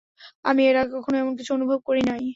আমি এর আগে কখনো এমন কিছু অনুভব করি নাই।